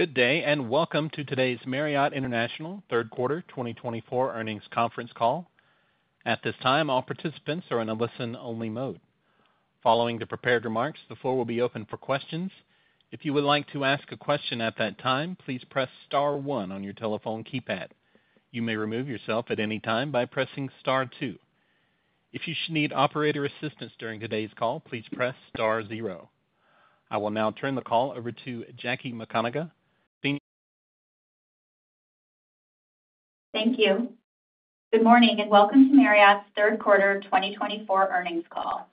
Good day, and welcome to today's Marriott International third quarter 2024 Earnings Conference Call. At this time, all participants are in a listen-only mode. Following the prepared remarks, the floor will be open for questions. If you would like to ask a question at that time, please press star one on your telephone keypad. You may remove yourself at any time by pressing star two. If you need operator assistance during today's call, please press star zero. I will now turn the call over to Jackie McConagha. Thank you. Good morning, and welcome to Marriott's third quarter 2024 Earnings Call.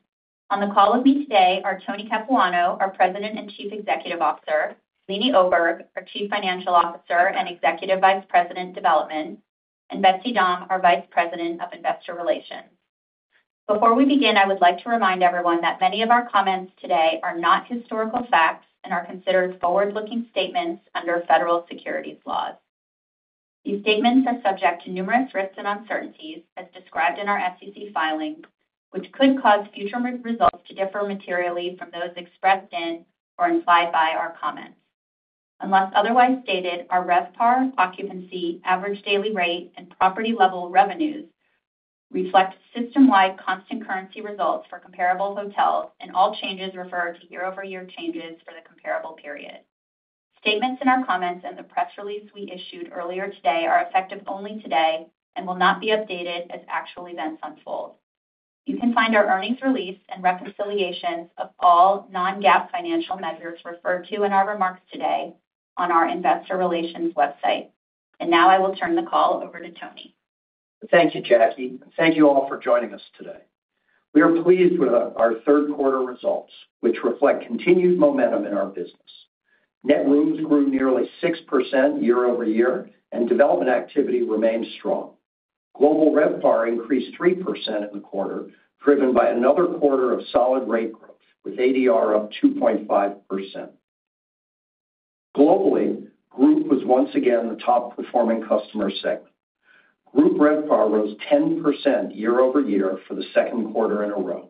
On the call with me today are Tony Capuano, our President and Chief Executive Officer, Leeny Oberg, our Chief Financial Officer and Executive Vice President, Development, and Betsy Dahm, our Vice President of Investor Relations. Before we begin, I would like to remind everyone that many of our comments today are not historical facts and are considered forward-looking statements under federal securities laws. These statements are subject to numerous risks and uncertainties, as described in our SEC filings, which could cause future results to differ materially from those expressed in or implied by our comments. Unless otherwise stated, our RevPAR, Occupancy, Average Daily Rate, and Property Level Revenues reflect system-wide constant currency results for comparable hotels, and all changes refer to year-over-year changes for the comparable period. Statements in our comments and the press release we issued earlier today are effective only today and will not be updated as actual events unfold. You can find our earnings release and reconciliations of all non-GAAP financial measures referred to in our remarks today on our Investor Relations website. And now I will turn the call over to Tony. Thank you, Jackie. Thank you all for joining us today. We are pleased with our third quarter results, which reflect continued momentum in our business. Net rooms grew nearly 6% year-over-year, and development activity remained strong. Global RevPAR increased 3% in the quarter, driven by another quarter of solid rate growth with ADR up 2.5%. Globally, group was once again the top-performing customer segment. Group RevPAR rose 10% year-over-year for the second quarter in a row,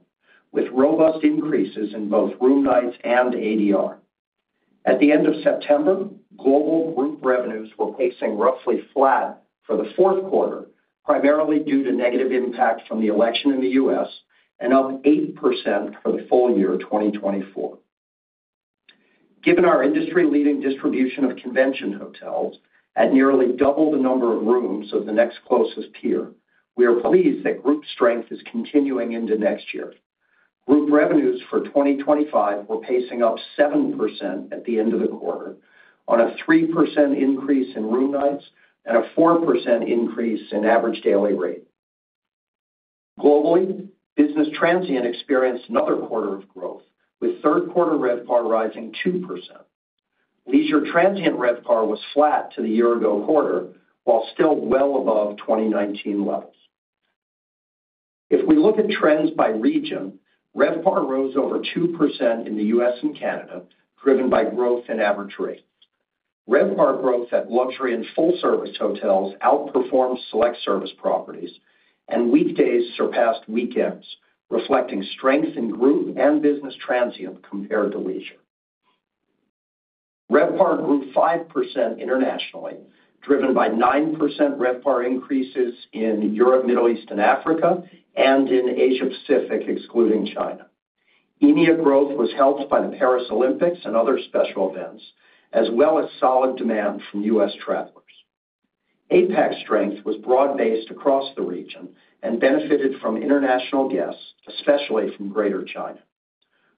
with robust increases in both room nights and ADR. At the end of September, global Group revenues were pacing roughly flat for the fourth quarter, primarily due to negative impact from the election in the U.S., and up 8% for the full year 2024. Given our industry-leading distribution of convention hotels at nearly double the number of rooms of the next closest peer, we are pleased that Group strength is continuing into next year. Group revenues for 2025 were pacing up 7% at the end of the quarter, on a 3% increase in room nights and a 4% increase in average daily rate. Globally, business transient experienced another quarter of growth, with third quarter RevPAR rising 2%. Leisure transient RevPAR was flat to the year-ago quarter, while still well above 2019 levels. If we look at trends by region, RevPAR rose over 2% in the U.S. and Canada, driven by growth in average rates. RevPAR growth at luxury and full-service hotels outperformed select service properties, and weekdays surpassed weekends, reflecting strength in Group and business transient compared to leisure. RevPAR grew 5% internationally, driven by 9% RevPAR increases in Europe, Middle East, and Africa, and in Asia-Pacific, excluding China. EMEA growth was helped by the Paris Olympics and other special events, as well as solid demand from U.S. travelers. APAC strength was broad-based across the region and benefited from international guests, especially from Greater China.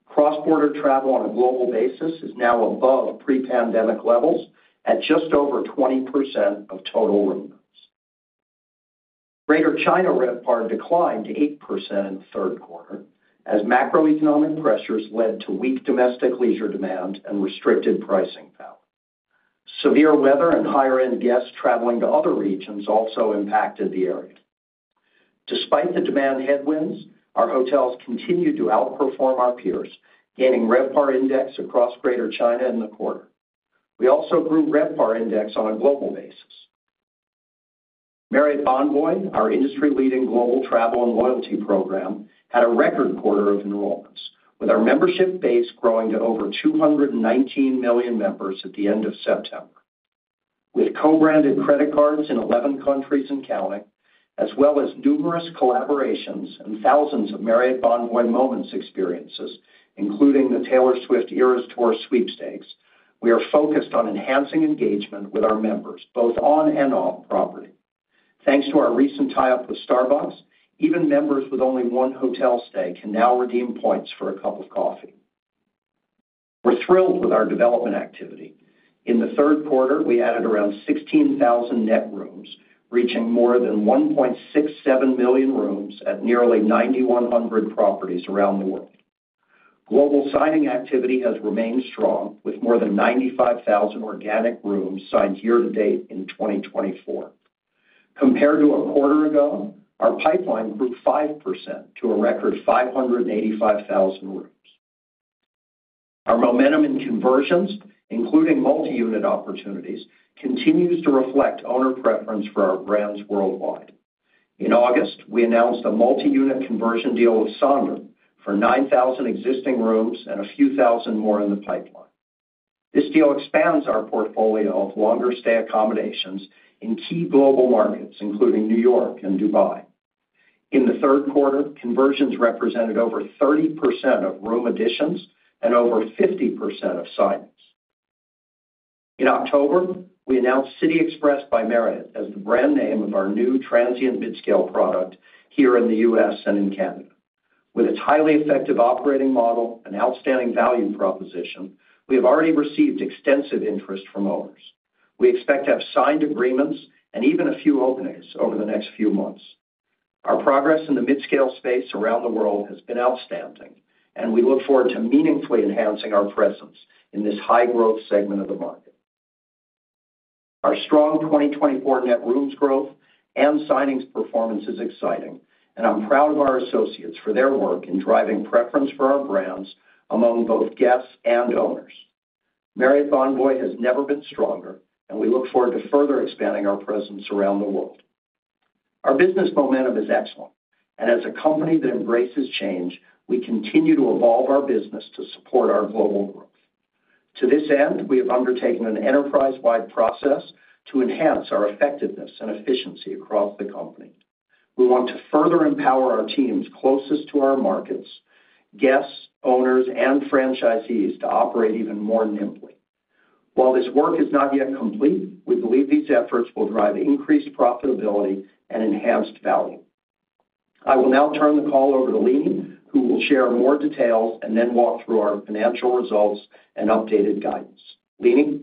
Cross-border travel on a global basis is now above pre-pandemic levels at just over 20% of total room nights. Greater China RevPAR declined to 8% in the third quarter, as macroeconomic pressures led to weak domestic leisure demand and restricted pricing power. Severe weather and higher-end guests traveling to other regions also impacted the area. Despite the demand headwinds, our hotels continued to outperform our peers, gaining RevPAR index across Greater China in the quarter. We also grew RevPAR index on a global basis. Marriott Bonvoy, our industry-leading global travel and loyalty program, had a record quarter of enrollments, with our membership base growing to over 219 million members at the end of September. With co-branded credit cards in 11 countries and counting, as well as numerous collaborations and thousands of Marriott Bonvoy Moments experiences, including the Taylor Swift Eras Tour Sweepstakes, we are focused on enhancing engagement with our members, both on and off property. Thanks to our recent tie-up with Starbucks, even members with only one hotel stay can now redeem points for a cup of coffee. We're thrilled with our development activity. In the third quarter, we added around 16,000 net rooms, reaching more than 1.67 million rooms at nearly 9,100 properties around the world. Global signing activity has remained strong, with more than 95,000 organic rooms signed year-to-date in 2024. Compared to a quarter ago, our pipeline grew 5% to a record 585,000 rooms. Our momentum in conversions, including multi-unit opportunities, continues to reflect owner preference for our brands worldwide. In August, we announced a multi-unit conversion deal with Sonder for 9,000 existing rooms and a few thousand more in the pipeline. This deal expands our portfolio of longer-stay accommodations in key global markets, including New York and Dubai. In the third quarter, conversions represented over 30% of room additions and over 50% of signings. In October, we announced City Express by Marriott as the brand name of our new transient midscale product here in the U.S. and in Canada. With its highly effective operating model and outstanding value proposition, we have already received extensive interest from owners. We expect to have signed agreements and even a few openings over the next few months. Our progress in the midscale space around the world has been outstanding, and we look forward to meaningfully enhancing our presence in this high-growth segment of the market. Our strong 2024 net rooms growth and signings performance is exciting, and I'm proud of our associates for their work in driving preference for our brands among both guests and owners. Marriott Bonvoy has never been stronger, and we look forward to further expanding our presence around the world. Our business momentum is excellent, and as a company that embraces change, we continue to evolve our business to support our global growth. To this end, we have undertaken an enterprise-wide process to enhance our effectiveness and efficiency across the company. We want to further empower our teams closest to our markets, guests, owners, and franchisees to operate even more nimbly. While this work is not yet complete, we believe these efforts will drive increased profitability and enhanced value. I will now turn the call over to Leeny, who will share more details and then walk through our financial results and updated guidance. Leeny.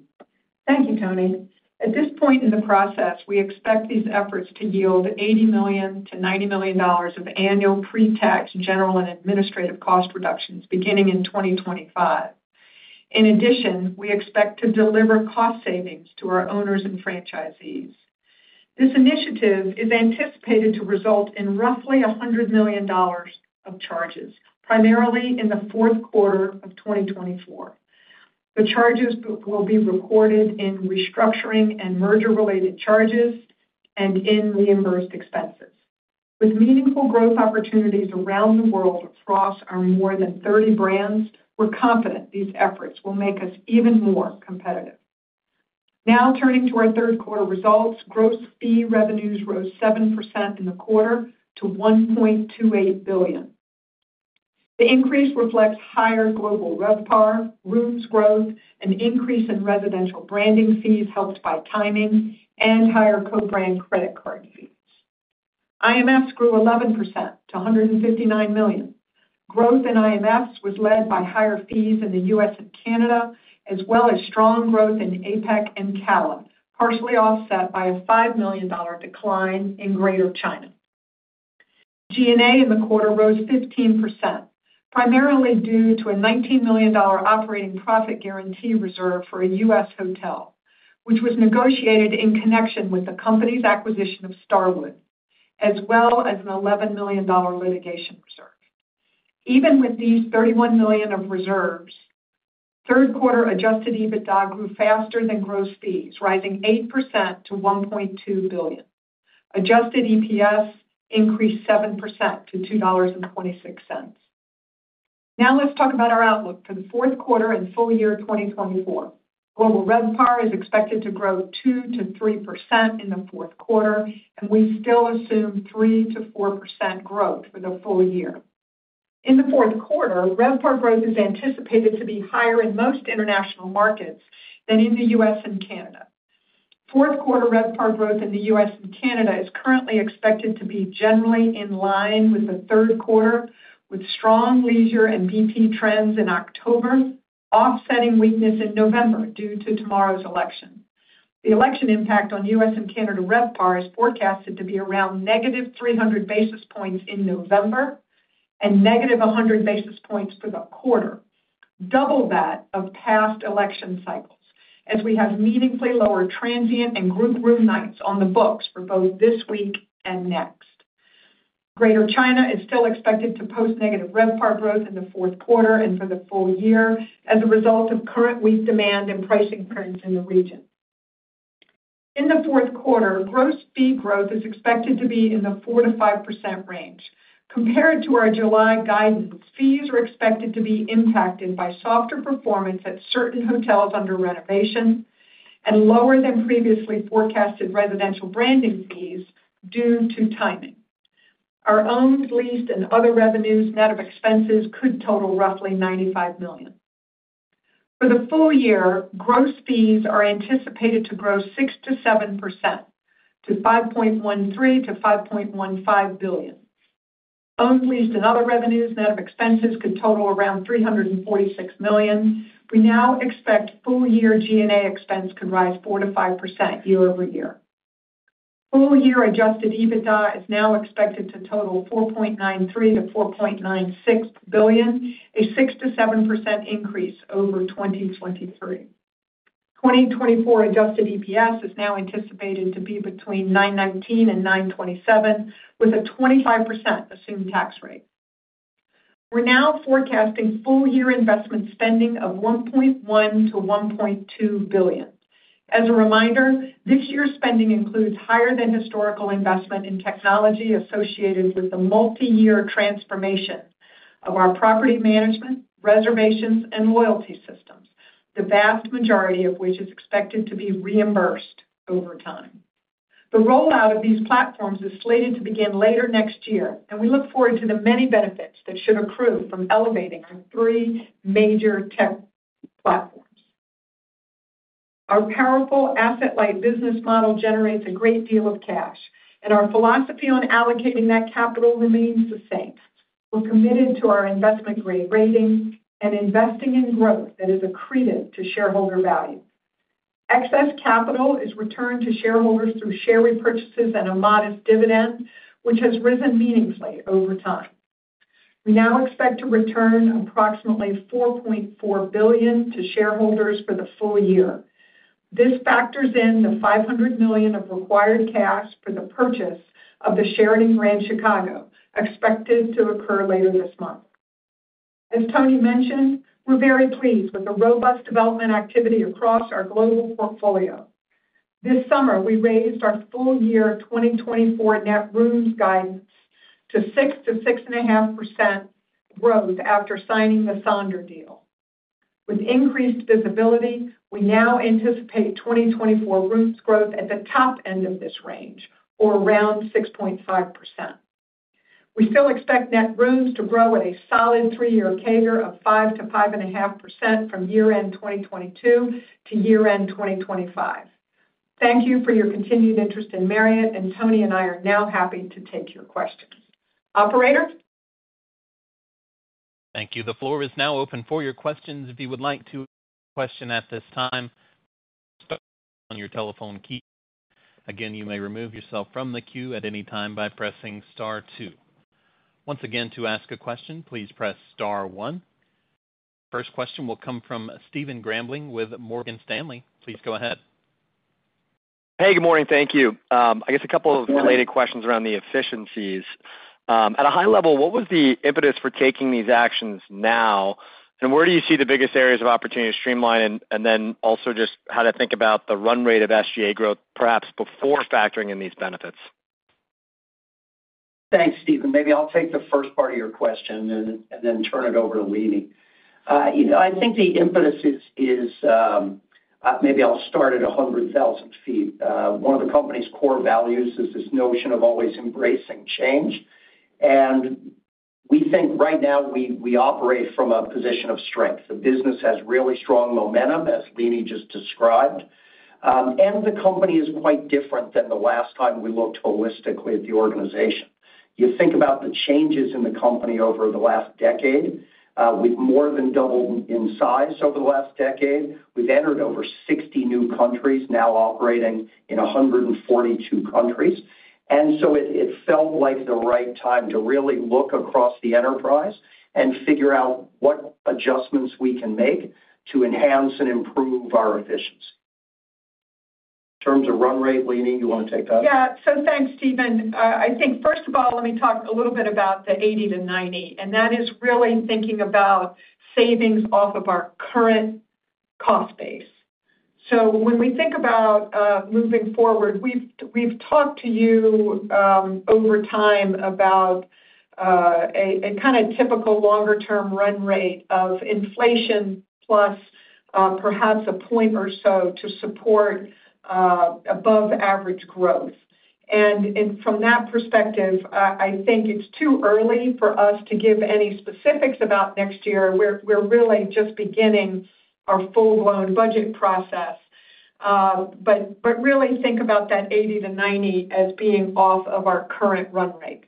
Thank you, Tony. At this point in the process, we expect these efforts to yield $80 million-$90 million of annual pre-tax general and administrative cost reductions beginning in 2025. In addition, we expect to deliver cost savings to our owners and franchisees. This initiative is anticipated to result in roughly $100 million of charges, primarily in the fourth quarter of 2024. The charges will be recorded in restructuring and merger-related charges and in reimbursed expenses. With meaningful growth opportunities around the world across our more than 30 brands, we're confident these efforts will make us even more competitive. Now turning to our third quarter results, gross fee revenues rose 7% in the quarter to $1.28 billion. The increase reflects higher global RevPAR, rooms growth, an increase in residential branding fees helped by timing, and higher co-brand credit card fees. IMFs grew 11% to $159 million. Growth in IMFs was led by higher fees in the US and Canada, as well as strong growth in APAC and CALA partially offset by a $5 million decline in Greater China. G&A in the quarter rose 15%, primarily due to a $19 million operating profit guarantee reserve for a US hotel, which was negotiated in connection with the company's acquisition of Starwood, as well as an $11 million litigation reserve. Even with these $31 million of reserves, third quarter adjusted EBITDA grew faster than gross fees, rising 8% to $1.2 billion. Adjusted EPS increased 7% to $2.26. Now let's talk about our outlook for the fourth quarter and full year 2024. Global RevPAR is expected to grow 2%-3% in the fourth quarter, and we still assume 3%-4% growth for the full year. In the fourth quarter, RevPAR growth is anticipated to be higher in most international markets than in the U.S. and Canada. Fourth quarter RevPAR growth in the U.S. and Canada is currently expected to be generally in line with the third quarter, with strong leisure and BT trends in October, offsetting weakness in November due to tomorrow's election. The election impact on U.S. and Canada RevPAR is forecasted to be around negative 300 basis points in November and negative 100 basis points for the quarter, double that of past election cycles, as we have meaningfully lower transient and group room nights on the books for both this week and next. Greater China is still expected to post negative RevPAR growth in the fourth quarter and for the full year as a result of current weak demand and pricing trends in the region. In the fourth quarter, gross fee growth is expected to be in the 4%-5% range. Compared to our July guidance, fees are expected to be impacted by softer performance at certain hotels under renovation and lower than previously forecasted residential branding fees due to timing. Our owned, leased, and other revenues net of expenses could total roughly $95 million. For the full year, gross fees are anticipated to grow 6%-7% to $5.13-$5.15 billion. Owned, leased, and other revenues net of expenses could total around $346 million. We now expect full year G&A expense could rise 4%-5% year-over-year. Full year adjusted EBITDA is now expected to total $4.93-$4.96 billion, a 6%-7% increase over 2023. 2024 adjusted EPS is now anticipated to be between $9.19 and $9.27, with a 25% assumed tax rate. We're now forecasting full year investment spending of $1.1-$1.2 billion. As a reminder, this year's spending includes higher than historical investment in technology associated with the multi-year transformation of our property management, reservations, and loyalty systems, the vast majority of which is expected to be reimbursed over time. The rollout of these platforms is slated to begin later next year, and we look forward to the many benefits that should accrue from elevating our three major tech platforms. Our powerful asset-light business model generates a great deal of cash, and our philosophy on allocating that capital remains the same. We're committed to our investment-grade rating and investing in growth that is accretive to shareholder value. Excess capital is returned to shareholders through share repurchases and a modest dividend, which has risen meaningfully over time. We now expect to return approximately $4.4 billion to shareholders for the full year. This factors in the $500 million of required cash for the purchase of the Sheraton Grand Chicago, expected to occur later this month. As Tony mentioned, we're very pleased with the robust development activity across our global portfolio. This summer, we raised our full year 2024 net rooms guidance to 6-6.5% growth after signing the Sonder deal. With increased visibility, we now anticipate 2024 rooms growth at the top end of this range, or around 6.5%. We still expect net rooms to grow at a solid three-year CAGR of 5-5.5% from year-end 2022 to year-end 2025. Thank you for your continued interest in Marriott, and Tony and I are now happy to take your questions. Operator. Thank you. The floor is now open for your questions. If you would like to ask a question at this time, press star 1 on your telephone key. Again, you may remove yourself from the queue at any time by pressing star 2. Once again, to ask a question, please press star 1. Our first question will come from Stephen Grambling with Morgan Stanley. Please go ahead. Hey, good morning. Thank you. I guess a couple of related questions around the efficiencies. At a high level, what was the impetus for taking these actions now, and where do you see the biggest areas of opportunity to streamline, and then also just how to think about the run rate of SG&A growth, perhaps before factoring in these benefits? Thanks, Stephen. Maybe I'll take the first part of your question and then turn it over to Leeny. I think the impetus is maybe I'll start at 100,000 feet. One of the company's core values is this notion of always embracing change, and we think right now we operate from a position of strength. The business has really strong momentum, as Leeny just described, and the company is quite different than the last time we looked holistically at the organization. You think about the changes in the company over the last decade. We've more than doubled in size over the last decade. We've entered over 60 new countries, now operating in 142 countries. And so it felt like the right time to really look across the enterprise and figure out what adjustments we can make to enhance and improve our efficiency. In terms of run rate, Leeny, you want to take that? Yeah. So thanks, Stephen. I think, first of all, let me talk a little bit about the 80-90. And that is really thinking about savings off of our current cost base. So when we think about moving forward, we've talked to you over time about a kind of typical longer-term run rate of inflation plus perhaps a point or so to support above-average growth. And from that perspective, I think it's too early for us to give any specifics about next year. We're really just beginning our full-blown budget process. But really think about that 80-90 as being off of our current run rate.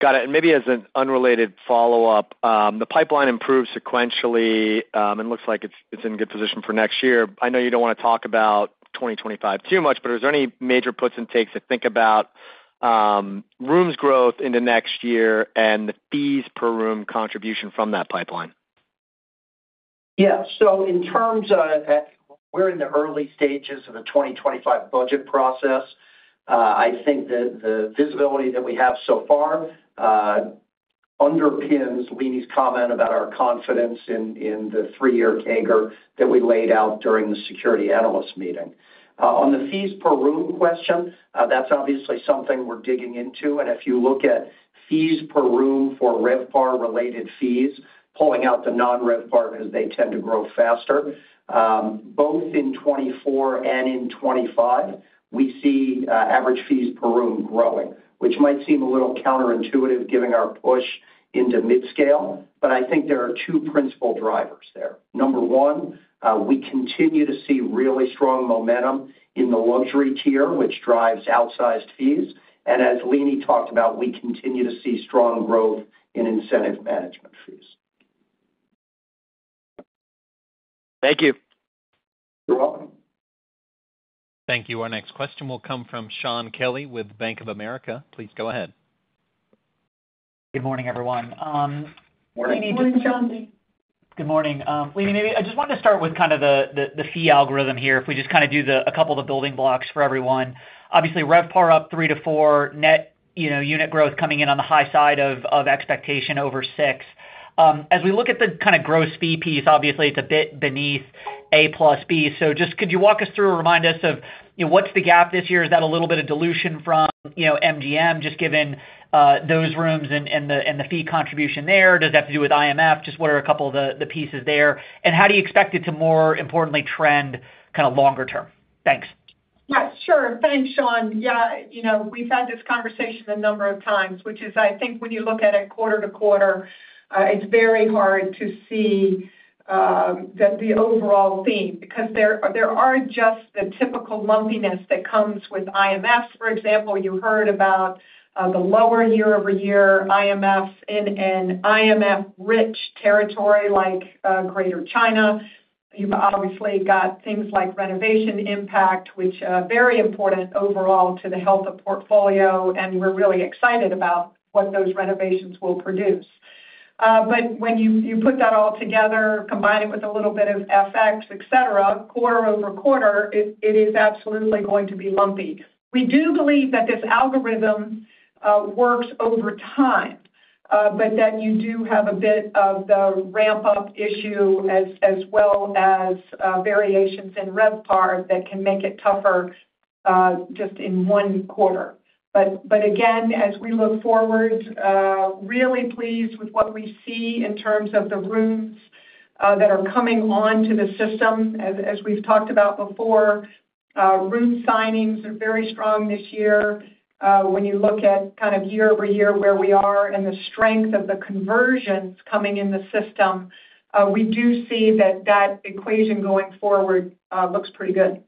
Got it. And maybe as an unrelated follow-up, the pipeline improves sequentially and looks like it's in good position for next year. I know you don't want to talk about 2025 too much, but are there any major puts and takes to think about rooms growth into next year and the fees per room contribution from that pipeline? Yeah. In terms of, we're in the early stages of the 2025 budget process. I think the visibility that we have so far underpins Leeny's comment about our confidence in the three-year CAGR that we laid out during the securities analyst meeting. On the fees per room question, that's obviously something we're digging into. And if you look at fees per room for RevPAR-related fees, pulling out the non-RevPAR because they tend to grow faster, both in 2024 and in 2025, we see average fees per room growing, which might seem a little counterintuitive given our push into midscale. But I think there are two principal drivers there. Number one, we continue to see really strong momentum in the luxury tier, which drives outsized fees. And as Leeny talked about, we continue to see strong growth in incentive management fees. Thank you. You're welcome. Thank you. Our next question will come from Shaun Kelley with Bank of America. Please go ahead. Good morning, everyone. Morning. Good morning. Leeny, maybe I just wanted to start with kind of the fee algorithm here, if we just kind of do a couple of the building blocks for everyone. Obviously, RevPAR up 3%-4%, net unit growth coming in on the high side of expectation over 6%. As we look at the kind of gross fee piece, obviously, it's a bit beneath A plus B. So just could you walk us through or remind us of what's the gap this year? Is that a little bit of dilution from MGM, just given those rooms and the fee contribution there? Does it have to do with IMF? Just what are a couple of the pieces there? And how do you expect it to, more importantly, trend kind of longer term? Thanks. Yeah. Sure. Thanks, Sean. Yeah. We've had this conversation a number of times, which is, I think, when you look at it quarter to quarter, it's very hard to see the overall theme because there are just the typical lumpiness that comes with IMF. For example, you heard about the lower year-over-year IMFs in an IMF-rich territory like Greater China. You've obviously got things like renovation impact, which is very important overall to the health of portfolio, and we're really excited about what those renovations will produce, but when you put that all together, combine it with a little bit of FX, etc., quarter-over-quarter, it is absolutely going to be lumpy. We do believe that this algorithm works over time, but that you do have a bit of the ramp-up issue as well as variations in RevPAR that can make it tougher just in one quarter. But again, as we look forward, really pleased with what we see in terms of the rooms that are coming onto the system. As we've talked about before, room signings are very strong this year. When you look at kind of year-over-year where we are and the strength of the conversions coming in the system, we do see that that equation going forward looks pretty good.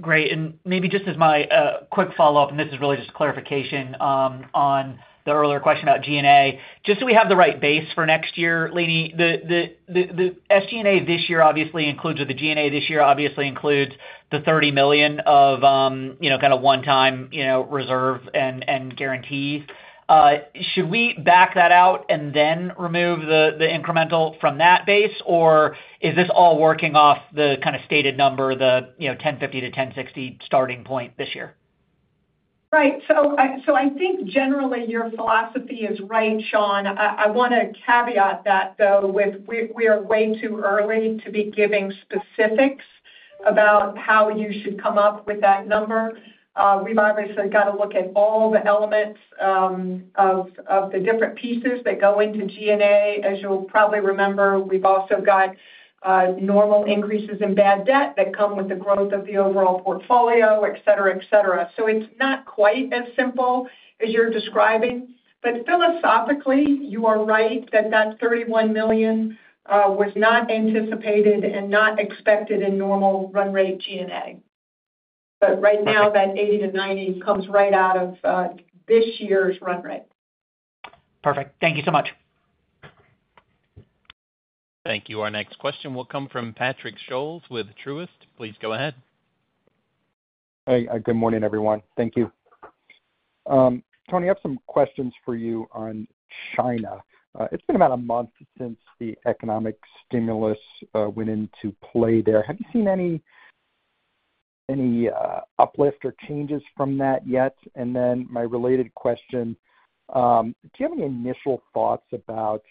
Great. And maybe just as my quick follow-up, and this is really just a clarification on the earlier question about G&A, just so we have the right base for next year, Leeny, the SG&A this year obviously includes or the G&A this year obviously includes the $30 million of kind of one-time reserve and guarantees. Should we back that out and then remove the incremental from that base, or is this all working off the kind of stated number, the $1,050-$1,060 million starting point this year? Right. So I think generally your philosophy is right, Shaun. I want to caveat that, though, with we are way too early to be giving specifics about how you should come up with that number. We've obviously got to look at all the elements of the different pieces that go into G&A. As you'll probably remember, we've also got normal increases in bad debt that come with the growth of the overall portfolio, etc., etc. So it's not quite as simple as you're describing. But philosophically, you are right that that $31 million was not anticipated and not expected in normal run rate G&A. But right now, that $80-$90 million comes right out of this year's run rate. Perfect. Thank you so much. Thank you. Our next question will come from Patrick Scholes with Truist. Please go ahead. Hey. Good morning, everyone. Thank you. Tony, I have some questions for you on China. It's been about a month since the economic stimulus went into play there. Have you seen any uplift or changes from that yet? And then my related question, do you have any initial thoughts about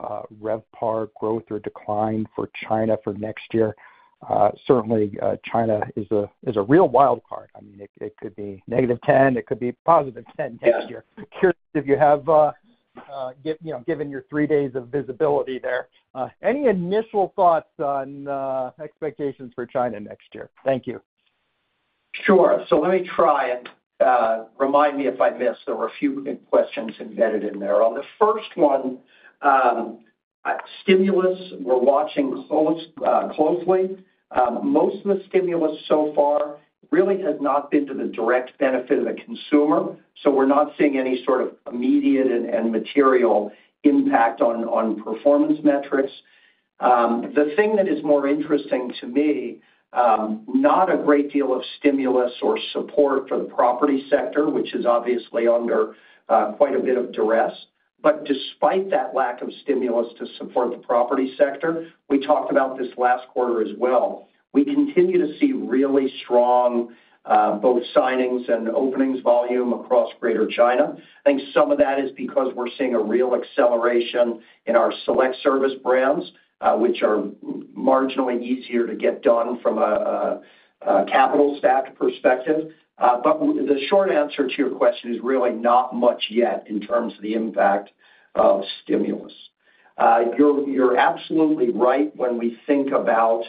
RevPAR growth or decline for China for next year? Certainly, China is a real wild card. I mean, it could be negative 10. It could be positive 10 next year. Curious if you have given your three days of visibility there. Any initial thoughts on expectations for China next year? Thank you. Sure. So let me try and remind me if I missed. There were a few questions embedded in there. On the first one, stimulus, we're watching closely. Most of the stimulus so far really has not been to the direct benefit of the consumer. So we're not seeing any sort of immediate and material impact on performance metrics. The thing that is more interesting to me, not a great deal of stimulus or support for the property sector, which is obviously under quite a bit of duress. But despite that lack of stimulus to support the property sector, we talked about this last quarter as well, we continue to see really strong both signings and openings volume across Greater China. I think some of that is because we're seeing a real acceleration in our select service brands, which are marginally easier to get done from a capital stack perspective. But the short answer to your question is really not much yet in terms of the impact of stimulus. You're absolutely right. When we think about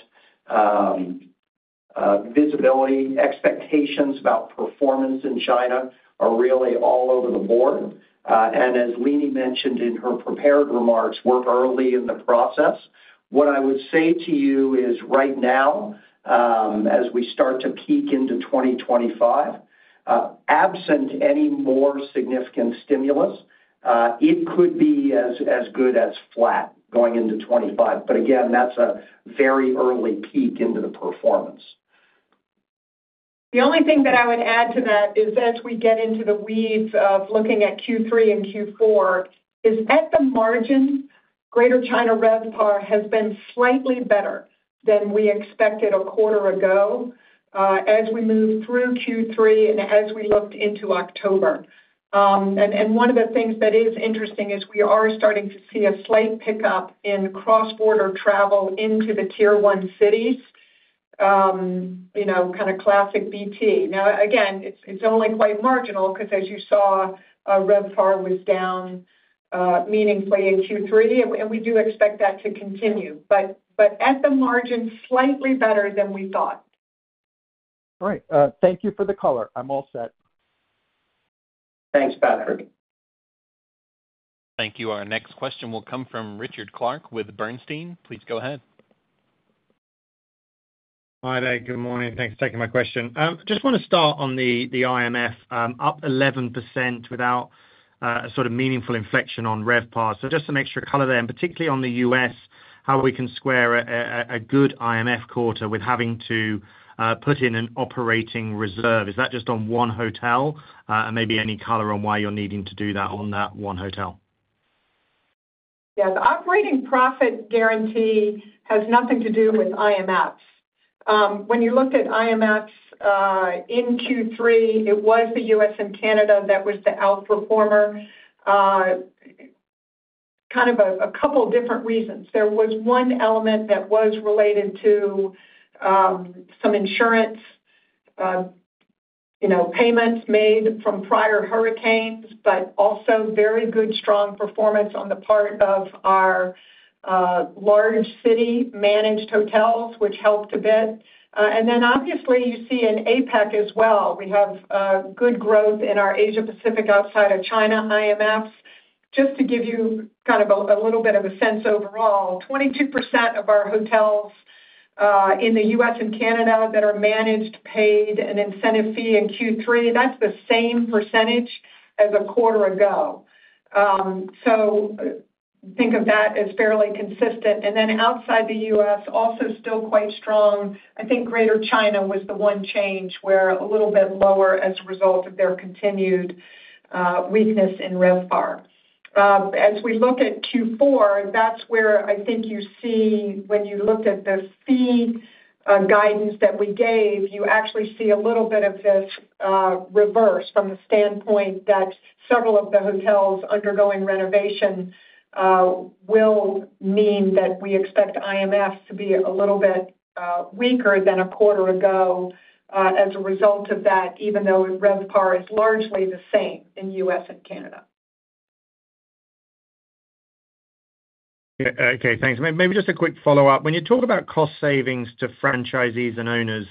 visibility, expectations about performance in China are really all over the board. And as Leeny mentioned in her prepared remarks, we're early in the process. What I would say to you is right now, as we start to peek into 2025, absent any more significant stimulus, it could be as good as flat going into '25. But again, that's a very early peek into the performance. The only thing that I would add to that is, as we get into the weeds of looking at Q3 and Q4, is at the margin, Greater China RevPAR has been slightly better than we expected a quarter ago as we moved through Q3 and as we looked into October. And one of the things that is interesting is we are starting to see a slight pickup in cross-border travel into the tier one cities, kind of classic BT. Now, again, it's only quite marginal because, as you saw, RevPAR was down meaningfully in Q3. And we do expect that to continue. But at the margin, slightly better than we thought. All right. Thank you for the color. I'm all set. Thanks, Patrick. Thank you. Our next question will come from Richard Clarke with Bernstein. Please go ahead. Hi, there. Good morning. Thanks for taking my question. Just want to start on the IMF, up 11% without a sort of meaningful inflection on RevPAR. So just some extra color there, and particularly on the US, how we can square a good IMF quarter with having to put in an operating reserve. Is that just on one hotel? And maybe any color on why you're needing to do that on that one hotel? Yeah. The operating profit guarantee has nothing to do with IMF. When you looked at IMF in Q3, it was the U.S. and Canada that was the outperformer. Kind of a couple of different reasons. There was one element that was related to some insurance payments made from prior hurricanes, but also very good strong performance on the part of our large city managed hotels, which helped a bit. And then obviously, you see an APAC as well. We have good growth in our Asia-Pacific outside of China IMF. Just to give you kind of a little bit of a sense overall, 22% of our hotels in the U.S. and Canada that are managed paid an incentive fee in Q3. That's the same percentage as a quarter ago. So think of that as fairly consistent. And then outside the U.S., also still quite strong. I think Greater China was the one change where a little bit lower as a result of their continued weakness in RevPAR. As we look at Q4, that's where I think you see when you looked at the fee guidance that we gave, you actually see a little bit of this reverse from the standpoint that several of the hotels undergoing renovation will mean that we expect IMF to be a little bit weaker than a quarter ago as a result of that, even though RevPAR is largely the same in U.S. and Canada. Okay. Thanks. Maybe just a quick follow-up. When you talk about cost savings to franchisees and owners,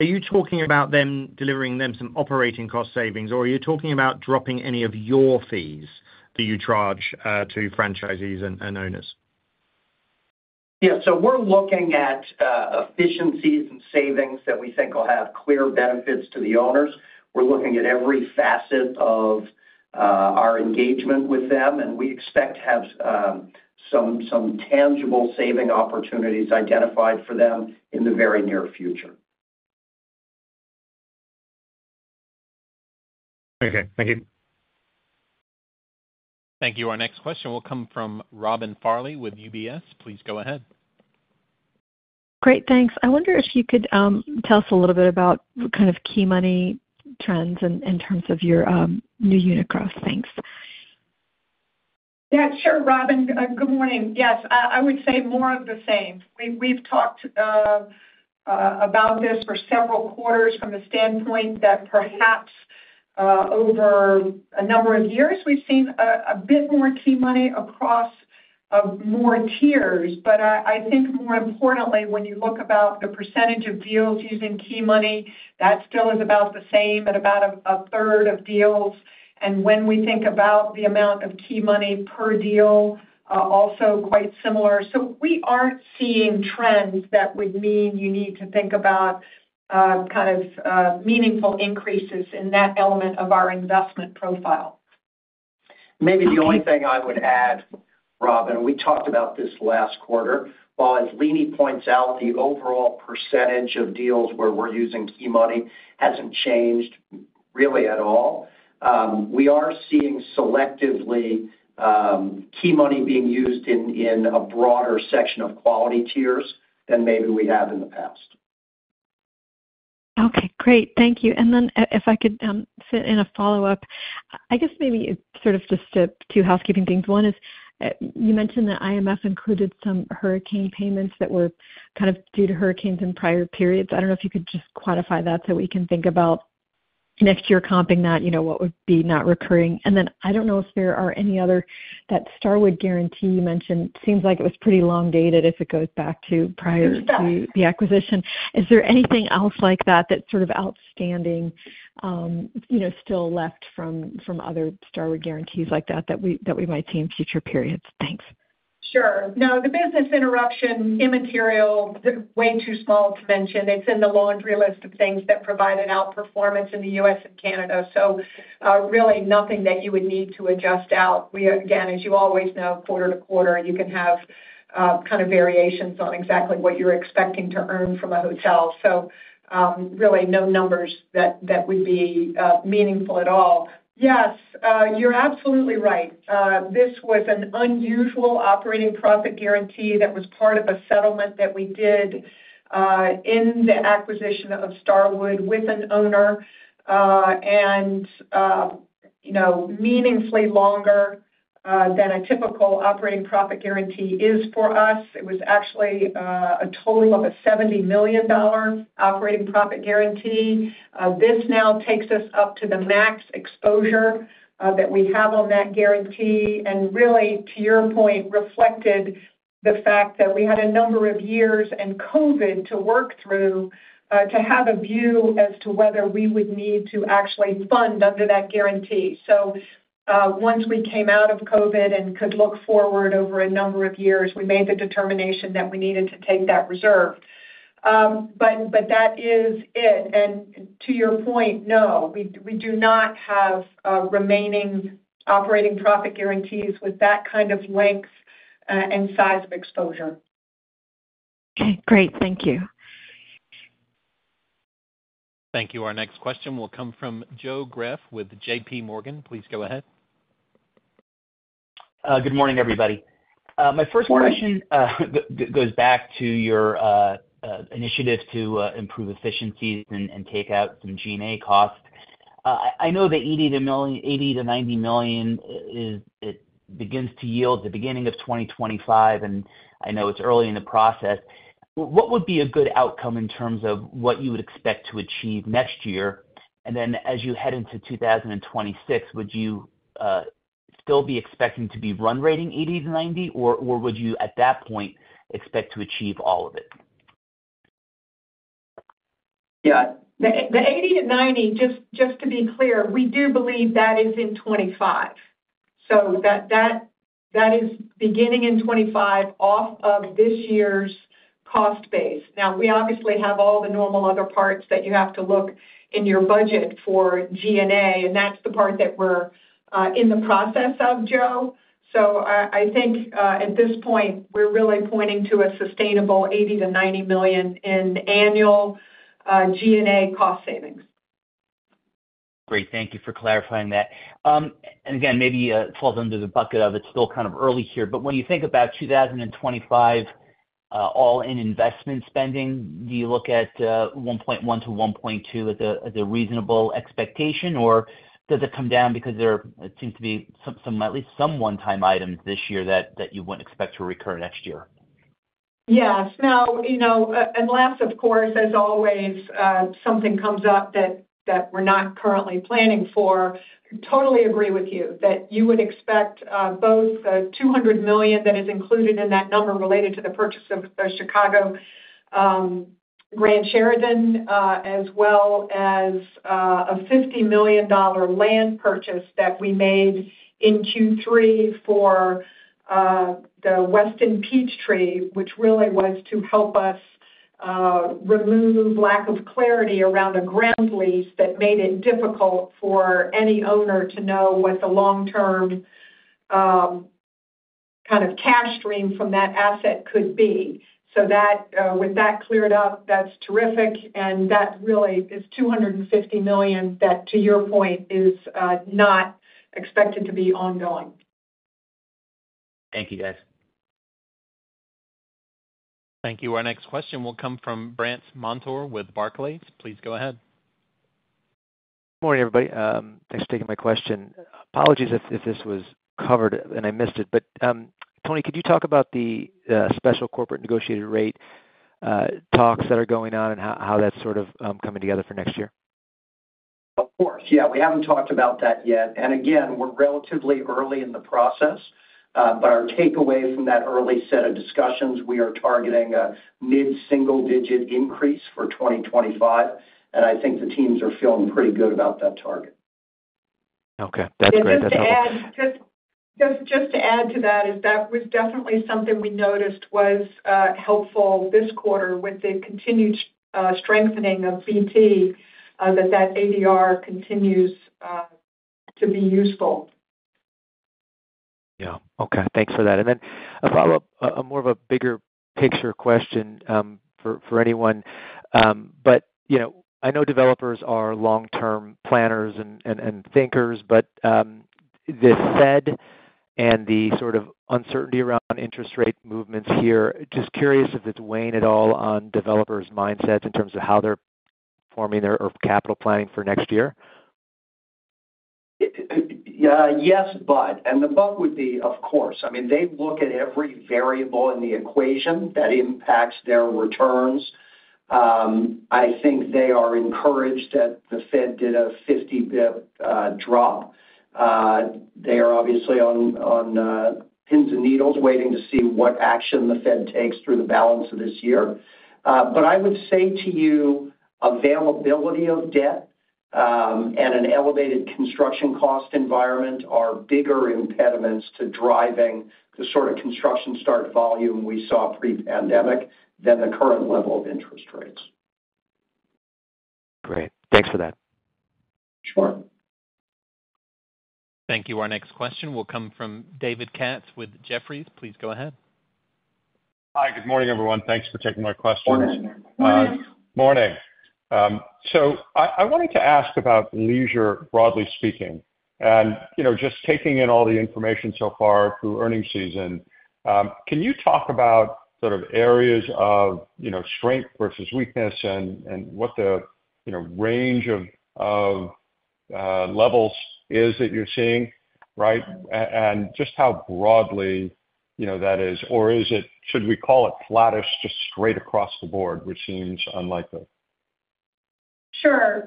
are you talking about them delivering some operating cost savings, or are you talking about dropping any of your fees that you charge to franchisees and owners? Yeah. So we're looking at efficiencies and savings that we think will have clear benefits to the owners. We're looking at every facet of our engagement with them, and we expect to have some tangible saving opportunities identified for them in the very near future. Okay. Thank you. Thank you. Our next question will come from Robin Farley with UBS. Please go ahead. Great. Thanks. I wonder if you could tell us a little bit about kind of key money trends in terms of your new unit growth. Thanks. Yeah. Sure, Robin. Good morning. Yes. I would say more of the same. We've talked about this for several quarters from the standpoint that perhaps over a number of years, we've seen a bit more key money across more tiers. But I think more importantly, when you look about the percentage of deals using key money, that still is about the same at about a third of deals. And when we think about the amount of key money per deal, also quite similar. So we aren't seeing trends that would mean you need to think about kind of meaningful increases in that element of our investment profile. Maybe the only thing I would add, Robin, we talked about this last quarter. As Leeny points out, the overall percentage of deals where we're using key money hasn't changed really at all. We are seeing selectively key money being used in a broader section of quality tiers than maybe we have in the past. Okay. Great. Thank you. And then if I could fit in a follow-up, I guess maybe sort of just two housekeeping things. One is you mentioned that IMF included some hurricane payments that were kind of due to hurricanes in prior periods. I don't know if you could just quantify that so we can think about next year comping that, what would be not recurring. And then I don't know if there are any other that Starwood guarantee you mentioned seems like it was pretty long-dated if it goes back to prior to the acquisition. Is there anything else like that that's sort of outstanding still left from other Starwood guarantees like that that we might see in future periods? Thanks. Sure. No, the business interruption, immaterial, way too small to mention. It's in the laundry list of things that provided outperformance in the U.S. and Canada. So really nothing that you would need to adjust out. Again, as you always know, quarter to quarter, you can have kind of variations on exactly what you're expecting to earn from a hotel. So really no numbers that would be meaningful at all. Yes, you're absolutely right. This was an unusual operating profit guarantee that was part of a settlement that we did in the acquisition of Starwood with an owner and meaningfully longer than a typical operating profit guarantee is for us. It was actually a total of a $70 million operating profit guarantee. This now takes us up to the max exposure that we have on that guarantee. And really, to your point, reflected the fact that we had a number of years and COVID to work through to have a view as to whether we would need to actually fund under that guarantee. So once we came out of COVID and could look forward over a number of years, we made the determination that we needed to take that reserve. But that is it. And to your point, no, we do not have remaining operating profit guarantees with that kind of length and size of exposure. Okay. Great. Thank you. Thank you. Our next question will come from Joe Greff with J.P. Morgan. Please go ahead. Good morning, everybody. My first question goes back to your initiative to improve efficiencies and take out some G&A costs. I know the $80-$90 million begins to yield at the beginning of 2025, and I know it's early in the process. What would be a good outcome in terms of what you would expect to achieve next year? And then as you head into 2026, would you still be expecting to be run-rating $80-$90, or would you at that point expect to achieve all of it? Yeah. The $80-$90, just to be clear, we do believe that is in 2025. So that is beginning in 2025 off of this year's cost base. Now, we obviously have all the normal other parts that you have to look in your budget for G&A, and that's the part that we're in the process of, Joe. So I think at this point, we're really pointing to a sustainable $80-$90 million in annual G&A cost savings. Great. Thank you for clarifying that. And again, maybe it falls under the bucket of it's still kind of early here. But when you think about 2025 all-in investment spending, do you look at $1.1-$1.2 as a reasonable expectation, or does it come down because there seems to be at least some one-time items this year that you wouldn't expect to recur next year? Yes. Now, unless, of course, as always, something comes up that we're not currently planning for, totally agree with you that you would expect both the $200 million that is included in that number related to the purchase of the Sheraton Grand Chicago, as well as a $50 million land purchase that we made in Q3 for the Westin Peachtree, which really was to help us remove lack of clarity around a ground lease that made it difficult for any owner to know what the long-term kind of cash stream from that asset could be. So with that cleared up, that's terrific. And that really is $250 million that, to your point, is not expected to be ongoing. Thank you, guys. Thank you. Our next question will come from Brandt Montour with Barclays. Please go ahead. Good morning, everybody. Thanks for taking my question. Apologies if this was covered and I missed it. But Tony, could you talk about the special corporate negotiated rate talks that are going on and how that's sort of coming together for next year? Of course. Yeah. We haven't talked about that yet. And again, we're relatively early in the process. But our takeaway from that early set of discussions, we are targeting a mid-single-digit increase for 2025. And I think the teams are feeling pretty good about that target. Okay. That's great. That's awesome. Just to add to that is that was definitely something we noticed was helpful this quarter with the continued strengthening of BT, that that ADR continues to be useful. Yeah. Okay. Thanks for that. And then a follow-up, a more of a bigger picture question for anyone. But I know developers are long-term planners and thinkers, but the Fed and the sort of uncertainty around interest rate movements here, just curious if it's weighing at all on developers' mindsets in terms of how they're forming their capital planning for next year. Yes, but. And the buck would be, of course. I mean, they look at every variable in the equation that impacts their returns. I think they are encouraged that the Fed did a 50 basis points drop. They are obviously on pins and needles waiting to see what action the Fed takes through the balance of this year. But I would say to you, availability of debt and an elevated construction cost environment are bigger impediments to driving the sort of construction start volume we saw pre-pandemic than the current level of interest rates. Great. Thanks for that. Sure. Thank you. Our next question will come from David Katz with Jefferies. Please go ahead. Hi. Good morning, everyone. Thanks for taking my question. Morning. Morning. So I wanted to ask about leisure, broadly speaking. And just taking in all the information so far through earnings season, can you talk about sort of areas of strength versus weakness and what the range of levels is that you're seeing, right, and just how broadly that is? Or should we call it flattish just straight across the board, which seems unlikely? Sure.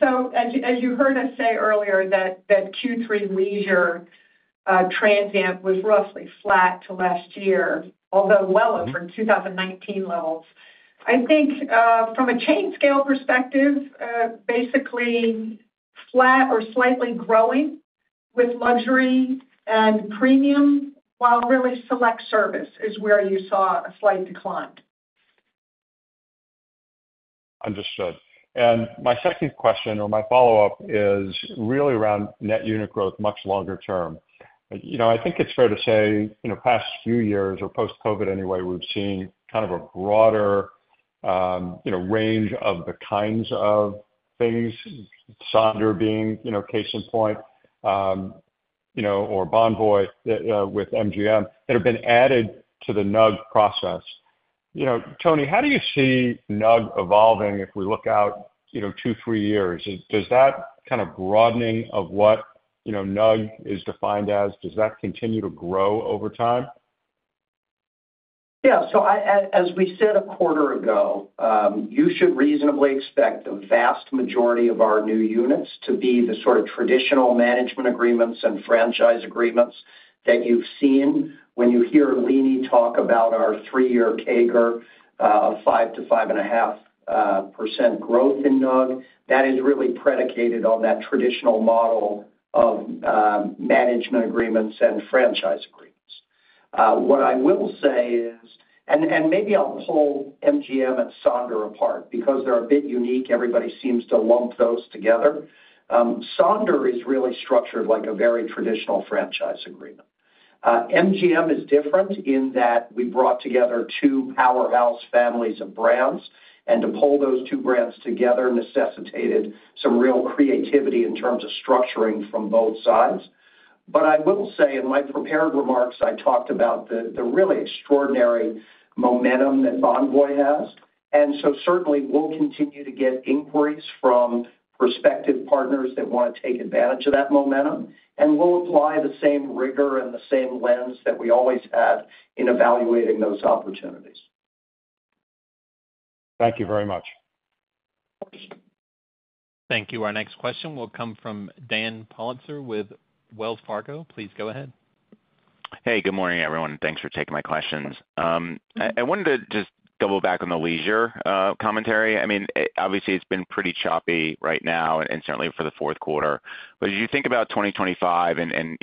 So as you heard us say earlier, that Q3 leisure transient was roughly flat to last year, although well over 2019 levels. I think from a chain scale perspective, basically flat or slightly growing with luxury and premium, while really select service is where you saw a slight decline. Understood. And my second question or my follow-up is really around net unit growth much longer term. I think it's fair to say past few years or post-COVID anyway, we've seen kind of a broader range of the kinds of things, Sonder being a case in point, or Bonvoy with MGM that have been added to the NUG process. Tony, how do you see NUG evolving if we look out two, three years? Does that kind of broadening of what NUG is defined as, does that continue to grow over time? Yeah. So as we said a quarter ago, you should reasonably expect the vast majority of our new units to be the sort of traditional management agreements and franchise agreements that you've seen. When you hear Leeny talk about our three-year CAGR of 5%-5.5% growth in NUG, that is really predicated on that traditional model of management agreements and franchise agreements. What I will say is, and maybe I'll pull MGM and Sonder apart because they're a bit unique. Everybody seems to lump those together. Sonder is really structured like a very traditional franchise agreement. MGM is different in that we brought together two powerhouse families of brands. And to pull those two brands together necessitated some real creativity in terms of structuring from both sides. But I will say in my prepared remarks, I talked about the really extraordinary momentum that Bonvoy has. And so certainly, we'll continue to get inquiries from prospective partners that want to take advantage of that momentum. And we'll apply the same rigor and the same lens that we always had in evaluating those opportunities. Thank you very much. Thank you. Our next question will come from Dan Politzer with Wells Fargo. Please go ahead. Hey, good morning, everyone. Thanks for taking my questions. I wanted to just double back on the leisure commentary. I mean, obviously, it's been pretty choppy right now and certainly for the fourth quarter. But as you think about 2025 and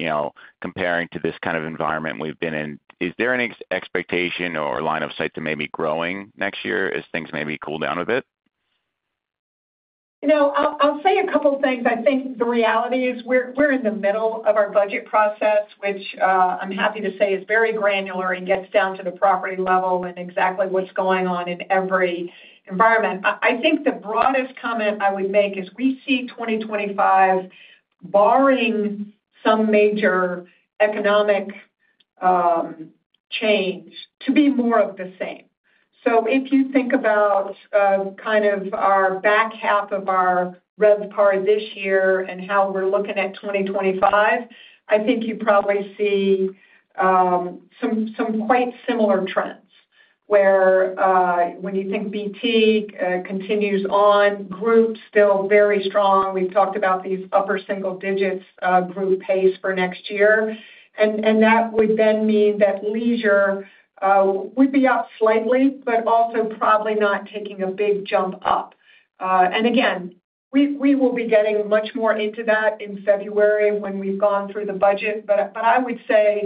comparing to this kind of environment we've been in, is there any expectation or line of sight to maybe growing next year as things maybe cool down a bit? I'll say a couple of things. I think the reality is we're in the middle of our budget process, which I'm happy to say is very granular and gets down to the property level and exactly what's going on in every environment. I think the broadest comment I would make is we see 2025, barring some major economic change, to be more of the same. So if you think about kind of our back half of our RevPAR this year and how we're looking at 2025, I think you probably see some quite similar trends where when you think BT continues on, group still very strong. We've talked about these upper single-digits group pace for next year, and that would then mean that leisure would be up slightly, but also probably not taking a big jump up. Again, we will be getting much more into that in February when we've gone through the budget. I would say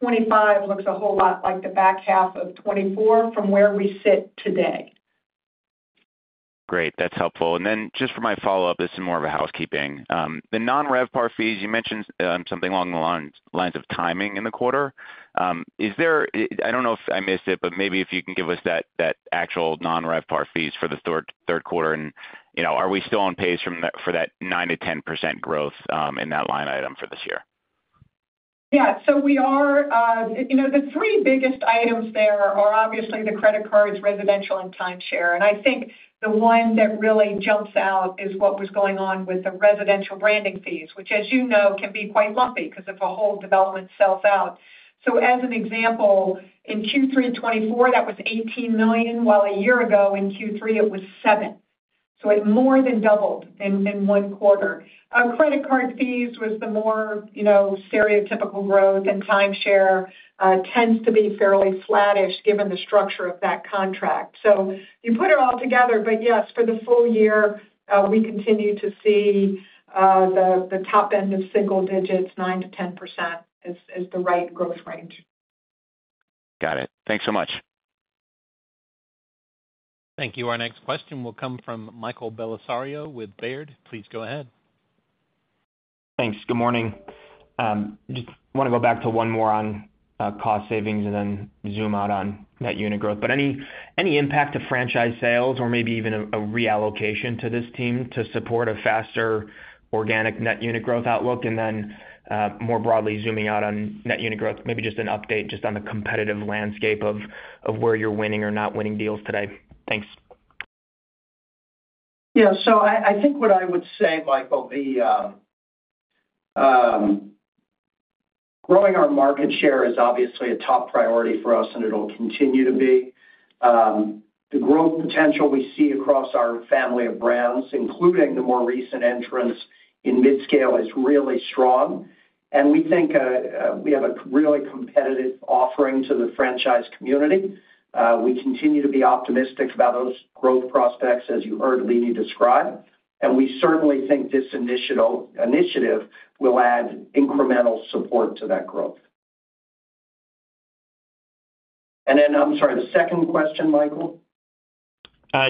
2025 looks a whole lot like the back half of 2024 from where we sit today. Great. That's helpful. And then just for my follow-up, this is more of a housekeeping. The non-RevPAR fees, you mentioned something along the lines of timing in the quarter. I don't know if I missed it, but maybe if you can give us that actual non-RevPAR fees for the third quarter, and are we still on pace for that 9%-10% growth in that line item for this year? Yeah. So we are the three biggest items there are obviously the credit cards, residential, and timeshare, and I think the one that really jumps out is what was going on with the residential branding fees, which, as you know, can be quite lumpy because of a whole development sells out. So as an example, in Q3 2024, that was $18 million, while a year ago in Q3, it was $7 million. So it more than doubled in one quarter. Credit card fees was the more stereotypical growth, and timeshare tends to be fairly flattish given the structure of that contract. So you put it all together, but yes, for the full year, we continue to see the top end of single digits, 9%-10% is the right growth range. Got it. Thanks so much. Thank you. Our next question will come from Michael Belisario with Baird. Please go ahead. Thanks. Good morning. Just want to go back to one more on cost savings and then zoom out on net unit growth. But any impact to franchise sales or maybe even a reallocation to this team to support a faster organic net unit growth outlook? And then more broadly zooming out on net unit growth, maybe just an update just on the competitive landscape of where you're winning or not winning deals today. Thanks. Yeah. So I think what I would say, Michael, growing our market share is obviously a top priority for us, and it'll continue to be. The growth potential we see across our family of brands, including the more recent entrants in midscale, is really strong. And we think we have a really competitive offering to the franchise community. We continue to be optimistic about those growth prospects, as you heard Leeny describe. And we certainly think this initiative will add incremental support to that growth. And then I'm sorry, the second question, Michael?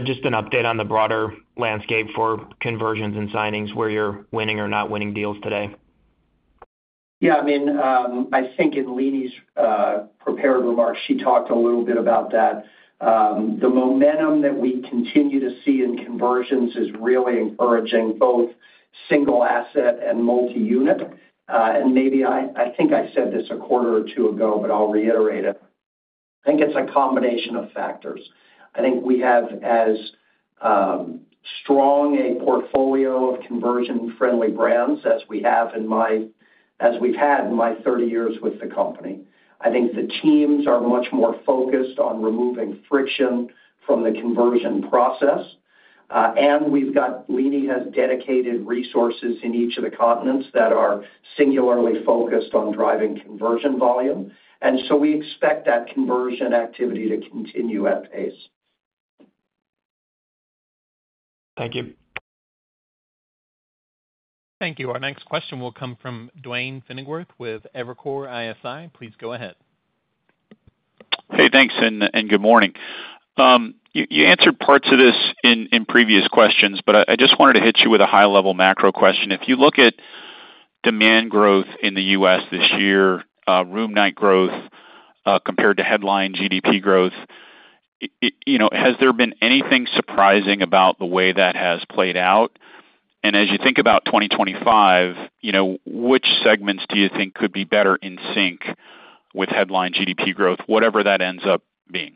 Just an update on the broader landscape for conversions and signings, where you're winning or not winning deals today. Yeah. I mean, I think in Leeny's prepared remarks, she talked a little bit about that. The momentum that we continue to see in conversions is really encouraging both single asset and multi-unit. And maybe I think I said this a quarter or two ago, but I'll reiterate it. I think it's a combination of factors. I think we have as strong a portfolio of conversion-friendly brands as we've had in my 30 years with the company. I think the teams are much more focused on removing friction from the conversion process. And Leeny has dedicated resources in each of the continents that are singularly focused on driving conversion volume. And so we expect that conversion activity to continue at pace. Thank you. Thank you. Our next question will come from Duane Pfennigwerth with Evercore ISI. Please go ahead. Hey, thanks and good morning. You answered parts of this in previous questions, but I just wanted to hit you with a high-level macro question. If you look at demand growth in the U.S. this year, room night growth compared to headline GDP growth, has there been anything surprising about the way that has played out? And as you think about 2025, which segments do you think could be better in sync with headline GDP growth, whatever that ends up being?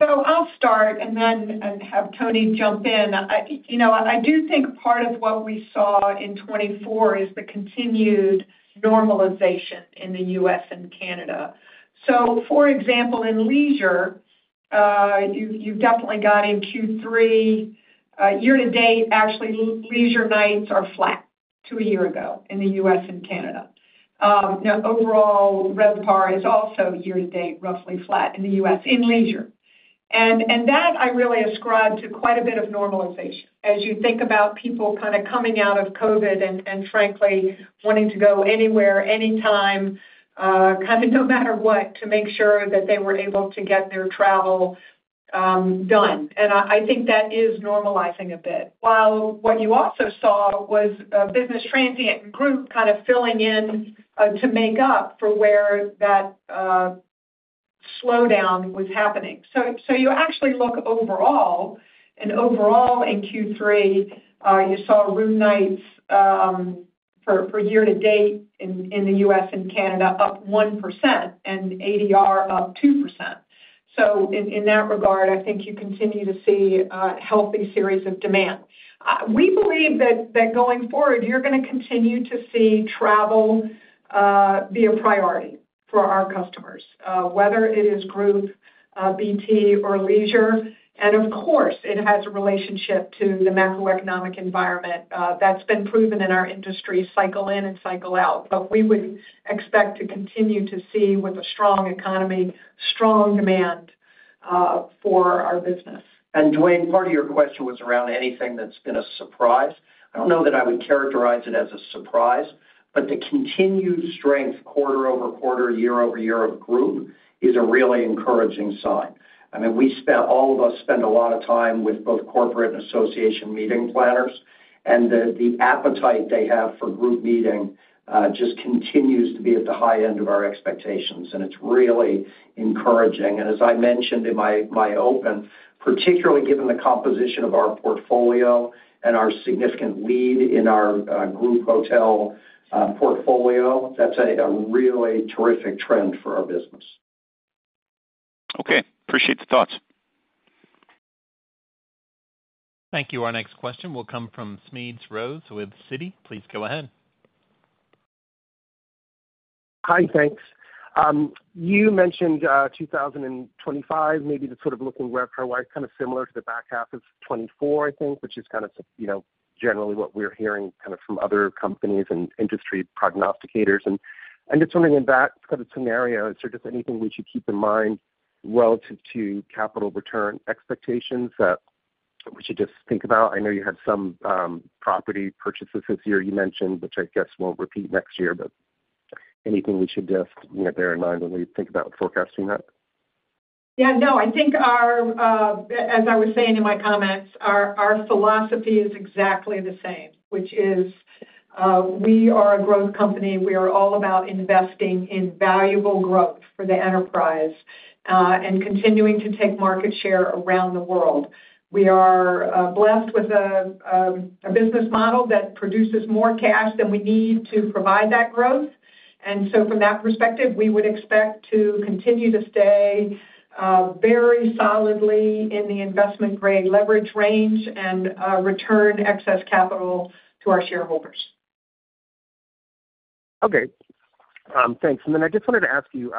So I'll start and then have Tony jump in. I do think part of what we saw in 2024 is the continued normalization in the U.S. and Canada. So for example, in leisure, you've definitely got in Q3, year-to-date, actually, leisure nights are flat to a year ago in the U.S. and Canada. Now, overall, RevPAR is also year-to-date roughly flat in the U.S. in leisure. And that I really ascribe to quite a bit of normalization. As you think about people kind of coming out of COVID and frankly wanting to go anywhere, anytime, kind of no matter what, to make sure that they were able to get their travel done. And I think that is normalizing a bit. While what you also saw was a business transient group kind of filling in to make up for where that slowdown was happening. So you actually look overall, and overall in Q3, you saw room nights for year-to-date in the U.S. and Canada up 1% and ADR up 2%. So in that regard, I think you continue to see a healthy series of demand. We believe that going forward, you're going to continue to see travel be a priority for our customers, whether it is group, BT, or leisure. And of course, it has a relationship to the macroeconomic environment that's been proven in our industry, cycle in and cycle out. But we would expect to continue to see with a strong economy, strong demand for our business. Duane, part of your question was around anything that's been a surprise. I don't know that I would characterize it as a surprise, but the continued strength quarter-over-quarter, year-over-year of group is a really encouraging sign. I mean, all of us spend a lot of time with both corporate and association meeting planners, and the appetite they have for group meeting just continues to be at the high end of our expectations. It's really encouraging. As I mentioned in my open, particularly given the composition of our portfolio and our significant lead in our group hotel portfolio, that's a really terrific trend for our business. Okay. Appreciate the thoughts. Thank you. Our next question will come from Smedes Rose with Citi. Please go ahead. Hi, thanks. You mentioned 2025, maybe the sort of looking RevPAR-wide kind of similar to the back half of 2024, I think, which is kind of generally what we're hearing kind of from other companies and industry prognosticators. And just wondering in that sort of scenario, is there just anything we should keep in mind relative to capital return expectations that we should just think about? I know you had some property purchases this year you mentioned, which I guess we'll repeat next year, but anything we should just bear in mind when we think about forecasting that? Yeah. No, I think, as I was saying in my comments, our philosophy is exactly the same, which is we are a growth company. We are all about investing in valuable growth for the enterprise and continuing to take market share around the world. We are blessed with a business model that produces more cash than we need to provide that growth. And so from that perspective, we would expect to continue to stay very solidly in the investment-grade leverage range and return excess capital to our shareholders. Okay. Thanks. And then I just wanted to ask you,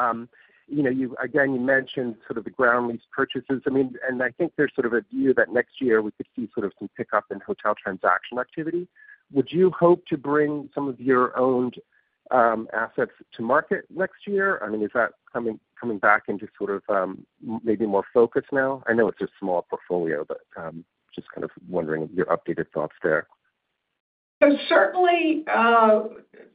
again, you mentioned sort of the ground lease purchases. I mean, and I think there's sort of a view that next year we could see sort of some pickup in hotel transaction activity. Would you hope to bring some of your owned assets to market next year? I mean, is that coming back into sort of maybe more focus now? I know it's a small portfolio, but just kind of wondering your updated thoughts there. Certainly all the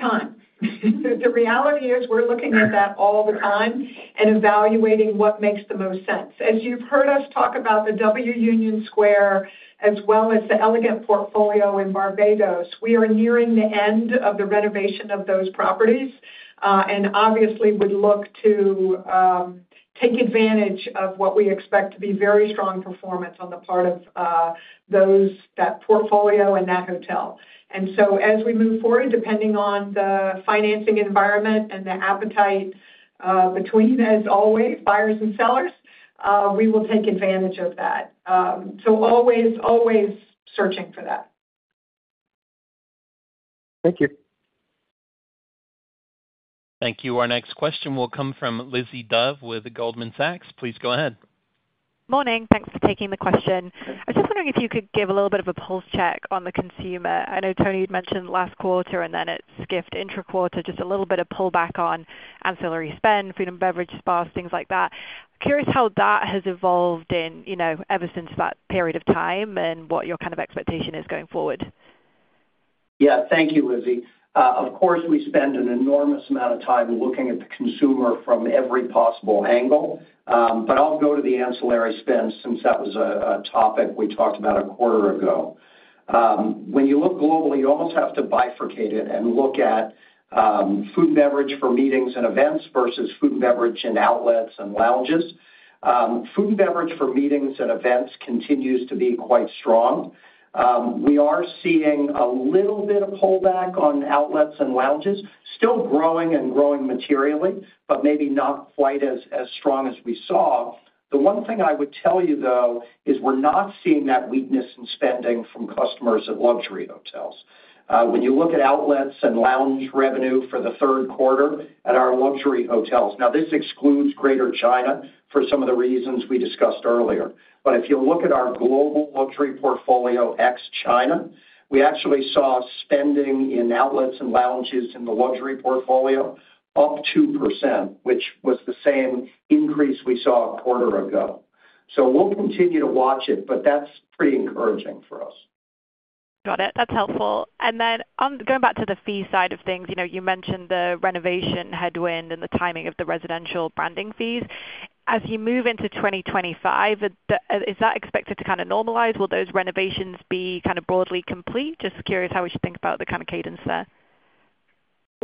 time. The reality is we're looking at that all the time and evaluating what makes the most sense. As you've heard us talk about the W Union Square as well as the Elegant portfolio in Barbados, we are nearing the end of the renovation of those properties and obviously would look to take advantage of what we expect to be very strong performance on the part of that portfolio and that hotel, and so as we move forward, depending on the financing environment and the appetite between, as always, buyers and sellers, we will take advantage of that, so always searching for that. Thank you. Thank you. Our next question will come from Lizzie Dove with Goldman Sachs. Please go ahead. Morning. Thanks for taking the question. I was just wondering if you could give a little bit of a pulse check on the consumer. I know Tony had mentioned last quarter and then it skipped intra-quarter, just a little bit of pullback on ancillary spend, food and beverage spas, things like that. Curious how that has evolved ever since that period of time and what your kind of expectation is going forward. Yeah. Thank you, Lizzie. Of course, we spend an enormous amount of time looking at the consumer from every possible angle, but I'll go to the ancillary spend since that was a topic we talked about a quarter ago. When you look globally, you almost have to bifurcate it and look at food and beverage for meetings and events versus food and beverage and outlets and lounges. Food and beverage for meetings and events continues to be quite strong. We are seeing a little bit of pullback on outlets and lounges, still growing and growing materially, but maybe not quite as strong as we saw. The one thing I would tell you, though, is we're not seeing that weakness in spending from customers at luxury hotels. When you look at outlets and lounge revenue for the third quarter at our luxury hotels, now this excludes Greater China for some of the reasons we discussed earlier. But if you look at our global luxury portfolio ex-China, we actually saw spending in outlets and lounges in the luxury portfolio up 2%, which was the same increase we saw a quarter ago. So we'll continue to watch it, but that's pretty encouraging for us. Got it. That's helpful. And then going back to the fee side of things, you mentioned the renovation headwind and the timing of the residential branding fees. As you move into 2025, is that expected to kind of normalize? Will those renovations be kind of broadly complete? Just curious how we should think about the kind of cadence there.